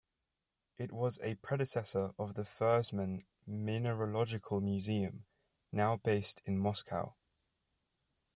It was a predecessor of the Fersman Mineralogical Museum, now based in Moscow.